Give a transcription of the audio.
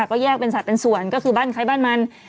ก็แยกเป็นสัตว์เป็นส่วนก็คือบ้านใครบ้านมัน